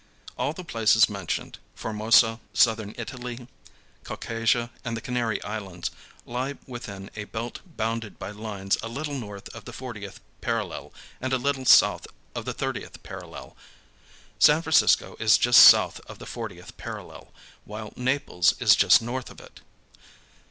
All the places mentioned Formosa, Southern Italy, Caucasia, and the Canary Islands lie within a belt bounded by lines a little north of the fortieth parallel and a little south of the thirtieth parallel. San Francisco is just south of the fortieth parallel, while Naples is just north of it.